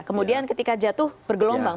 kemudian ketika jatuh bergelombang